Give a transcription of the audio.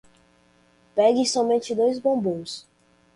Pegue somente dois bombons .